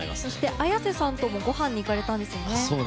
Ａｙａｓｅさんともご飯に行かれたんですよね。